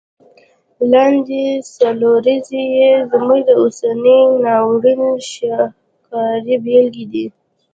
لاندي څلوریځي یې زموږ د اوسني ناورین شاهکاري بیلګي دي.